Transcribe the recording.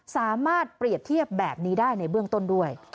สามารถเปรียบเทียบแบบนี้ได้ในเบื้องต้นด้วย